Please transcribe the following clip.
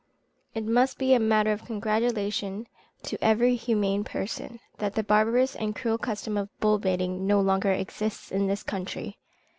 It must be a matter of congratulation to every humane person, that the barbarous and cruel custom of bull baiting no longer exists in this country.